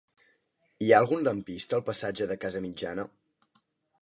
Hi ha algun lampista al passatge de Casamitjana?